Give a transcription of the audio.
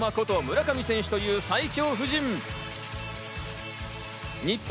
こと村上選手という最強布陣。